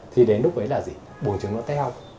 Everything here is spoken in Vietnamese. thì đến lúc ấy là gì vỏ trứng nó teo